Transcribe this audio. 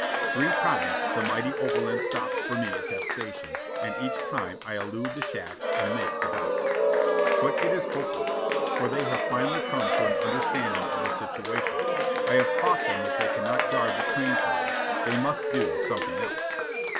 Three times the mighty overland stops for me at that station, and each time I elude the shacks and make the decks. But it is hopeless, for they have finally come to an understanding of the situation. I have taught them that they cannot guard the train from me. They must do something else.